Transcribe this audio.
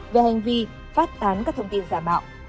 về hành vi phát tán các thông tin giả mạo